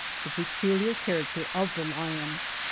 THE PECULTAK CHAEACTEE OF THE LION.